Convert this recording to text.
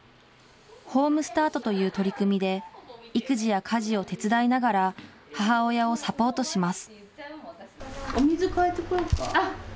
ホームスタートという取り組みで、育児や家事を手伝いながら、母親をサポートします。